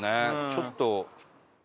ちょっと。